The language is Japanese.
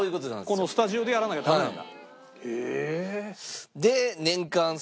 このスタジオでやらなきゃダメなんだ。